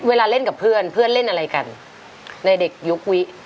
เวลาเล่นกับเพื่อนเพื่อนเล่นอะไรกันในเด็กยกวิ